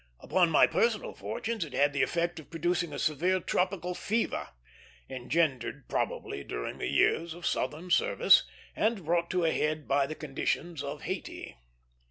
Upon my personal fortunes it had the effect of producing a severe tropical fever, engendered probably during the years of Southern service, and brought to a head by the conditions of Haïti.